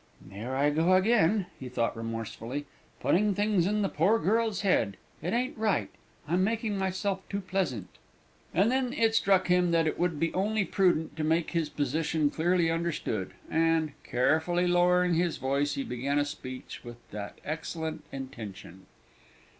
"There I go again," he thought remorsefully, "putting things in the poor girl's head it ain't right. I'm making myself too pleasant!" And then it struck him that it would be only prudent to make his position clearly understood, and, carefully lowering his voice, he began a speech with that excellent intention.